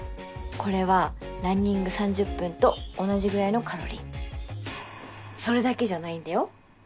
これはランニング３０分と同じぐらいのカロリーそれだけじゃないんだよ